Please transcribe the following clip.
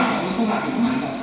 nó không là của phú xuyên đâu